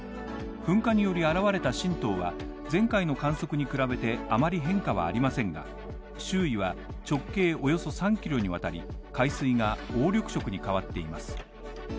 噴火により現れた新島は、前回の観測に比べてあまり変化はありませんが周囲は、直径およそ３キロにわたり、海水が黄緑色に変わっています。